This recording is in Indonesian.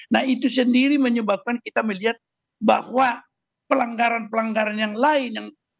nah itu sendiri menyebabkan kita melihat bahwa pelanggaran pelanggaran yang lain